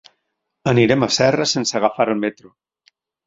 Anirem a Serra sense agafar el metro.